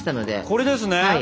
これですね？